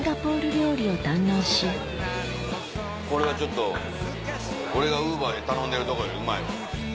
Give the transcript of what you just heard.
これはちょっと俺がＵｂｅｒで頼んでるとこよりうまいわ。